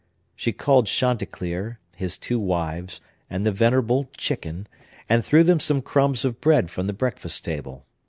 She called Chanticleer, his two wives, and the venerable chicken, and threw them some crumbs of bread from the breakfast table.